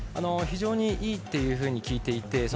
非常にいいというふうに聞いていて。